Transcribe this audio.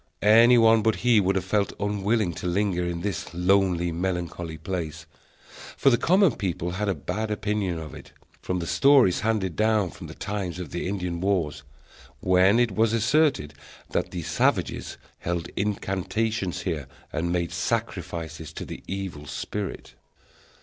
Any one but he would have felt unwilling to linger in this lonely, melancholy place, for the common people had a bad opinion of it, from the stories handed down from the times of the Indian wars, when it was asserted that the savages held incantations here and made sacrifices to the Evil Spirit.